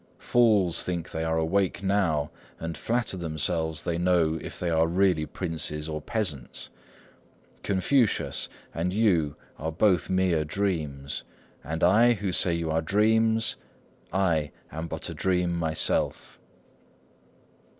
Fools think they are awake now, and flatter themselves they know if they are really princes or peasants. Confucius and you are both mere dreams; and I, who say you are dreams,—I am but a dream myself.